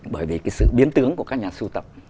bởi vì cái sự biến tướng của các nhà sưu tập